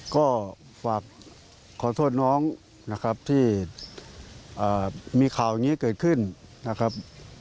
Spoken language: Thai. ก็ฝากขอโทษน้องนะครับที่มีข่าวอย่างนี้เกิดขึ้นนะครับ